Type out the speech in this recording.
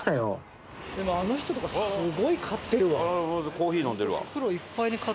コーヒー飲んでるわ。